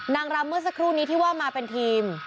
นางรำเมื่อสักครู่นี้ที่ว่ามาเป็นทีม